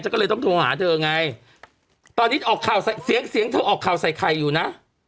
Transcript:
ก็เลยต้องโทรหาเธอไงตอนนี้ออกข่าวเสียงเสียงเธอออกข่าวใส่ไข่อยู่นะ